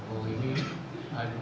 oh ini aduh